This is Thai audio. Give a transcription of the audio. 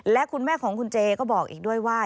และคุณแม่ของคุณเจก็บอกอีกด้วยว่า